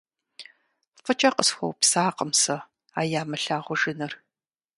ФӀыкӀэ къысхуэупсакъым сэ а ямылъагъужыныр.